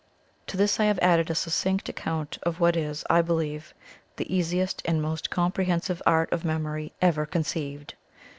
To this I have added a succinct account of what is, I believe, the easiest and most comprehensive Art of Memory ever conceived.